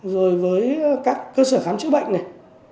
rồi với các cơ sở khám chữa bệnh này